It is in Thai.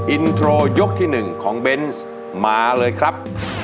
อินโทรยกที่๑ของเบนส์มาเลยครับ